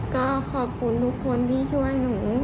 ก็ขอบคุณทุกคนที่ช่วยหนู